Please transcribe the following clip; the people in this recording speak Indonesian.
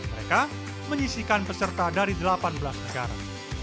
mereka menyisikan peserta dari delapan belas negara